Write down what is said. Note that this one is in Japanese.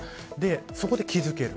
そこで気づける。